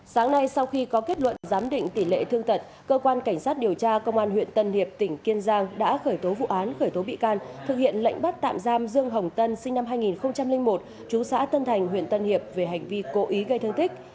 sáng nay sau khi có kết luận giám định tỷ lệ thương tật cơ quan cảnh sát điều tra công an huyện tân hiệp tỉnh kiên giang đã khởi tố vụ án khởi tố bị can thực hiện lệnh bắt tạm giam dương hồng tân sinh năm hai nghìn một chú xã tân thành huyện tân hiệp về hành vi cố ý gây thương tích